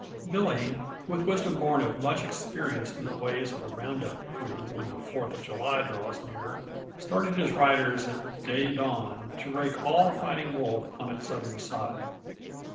Billy, with wisdom born of much experience in the ways of a round up crew when the Fourth of July draws near, started his riders at day dawn to rake all Fighting Wolf on its southern side.